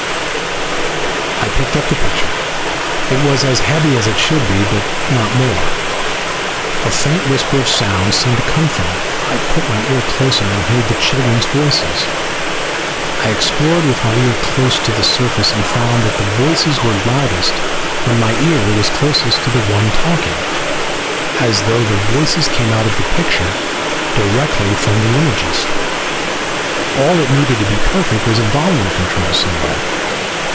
I picked up the picture. It was as heavy as it should be, but not more. A faint whisper of sound seemed to come from it. I put my ear closer and heard children's voices. I explored with my ear close to the surface, and found that the voices were loudest when my ear was closest to the one talking, as though the voices came out of the picture directly from the images! All it needed to be perfect was a volume control somewhere.